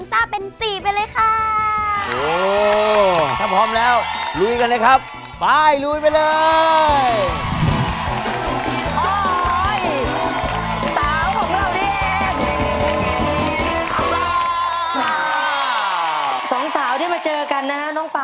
สถานกระคึกกระคึกเวทีแน่นอนครับผม